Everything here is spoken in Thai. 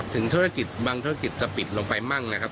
ถึงธุรกิจบางธุรกิจจะปิดลงไปมั่งนะครับ